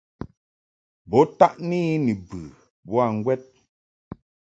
Bo taʼni I ni bə boa ŋgwɛd.